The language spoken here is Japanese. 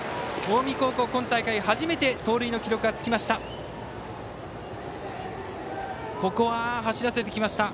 近江高校、今大会初めて盗塁の記録がつきました。